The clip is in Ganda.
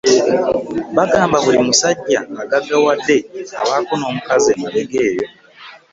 Bagamba buli musajja agaggawadde abaako omukazi emabega eyo.